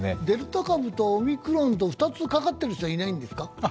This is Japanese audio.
デルタ株とオミクロンと２つかかっている人はいないんですか？